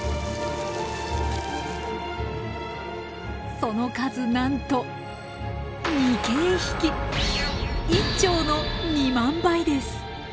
その数なんと１兆の２万倍です！